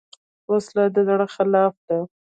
وسله د زړه خلاف ده